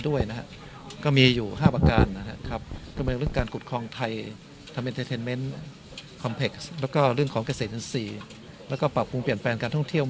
ด้วยนะฮะก็มีอยู่ห้าประการนะครับกรุณกลางเรื่องการกุดคองไทย